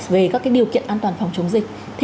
về các điều kiện an toàn phòng chống dịch